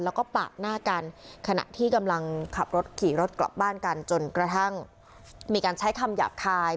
แล้วก็ปาดหน้ากันขณะที่กำลังขับรถขี่รถกลับบ้านกันจนกระทั่งมีการใช้คำหยาบคาย